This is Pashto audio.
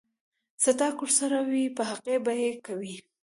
سټاک ورسره وي پۀ هغې به يې کوي ـ